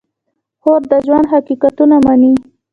خور د ژوند حقیقتونه مني.